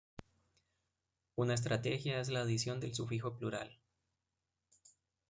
Una estrategia es la adición del sufijo plural "-s".